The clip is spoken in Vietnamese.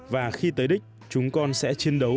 và khi tới đích chúng con sẽ chiến đấu